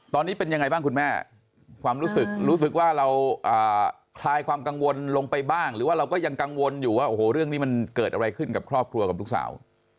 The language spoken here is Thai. ตอนนี้เป็นยังไงบ้างคุณแม่ความรู้สึกรู้สึกว่าเราคลายความกังวลลงไปบ้างหรือว่าเราก็ยังกังวลอยู่ว่าโอ้โหเรื่องนี้มันเกิดอะไรขึ้นกับครอบครัวกับลูกสาว